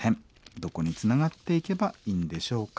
どこにつながっていけばいいんでしょうか。